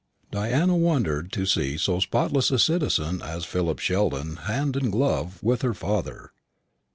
Diana wondered to see so spotless a citizen as Philip Sheldon hand and glove with her father.